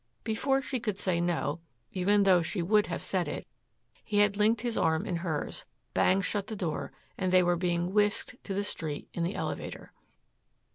Before she could say no, even though she would have said it, he had linked his arm in hers, banged shut the door and they were being whisked to the street in the elevator.